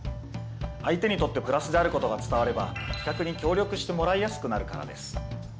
相手にとってプラスであることが伝われば企画に協力してもらいやすくなるからです。